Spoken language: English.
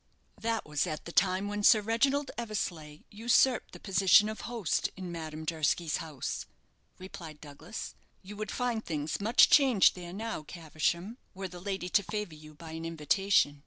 "That was at the time when Sir Reginald Eversleigh usurped the position of host in Madame Durski's house," replied Douglas. "You would find things much changed there now, Caversham, were the lady to favour you by an invitation.